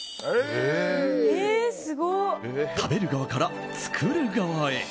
食べる側から作る側へ。